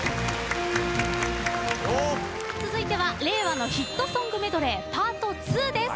続いては令和のヒットソングメドレーパート２です。